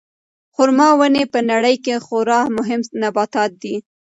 خورما ونې په نړۍ کې خورا مهم نباتات دي.